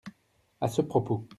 à ce propos.